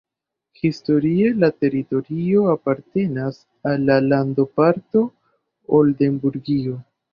Historie la teritorio apartenas al la landoparto Oldenburgio.